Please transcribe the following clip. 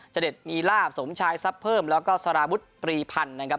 เด็ดมีลาบสมชายทรัพย์เพิ่มแล้วก็สารวุฒิตรีพันธ์นะครับ